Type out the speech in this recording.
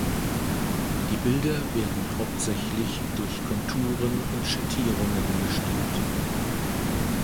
Die Bilder werden hauptsächlich durch Konturen und Schattierungen bestimmt.